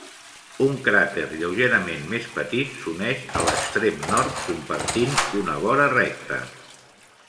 Un cràter lleugerament més petit s'uneix a l'extrem nord, compartint una vora recta.